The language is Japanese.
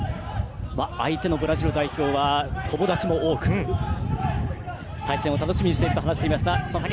相手のブラジル代表は友達も多く対戦を楽しみにしていると話していました佐々木。